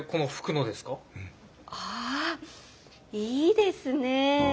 あいいですね。